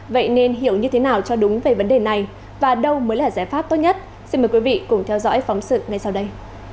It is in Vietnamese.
vậy nên hiểu như thế nào cho đúng về vấn đề này và đâu mới là giải pháp tốt nhất xin mời quý vị cùng theo dõi phóng sự ngay sau đây